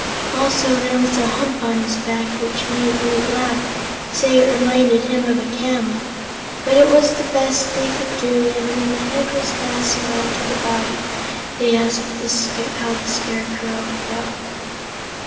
Also there was a hump on his back which made Woot laugh and say it reminded him of a camel, but it was the best they could do and when the head was fastened on to the body they asked the Scarecrow how he felt.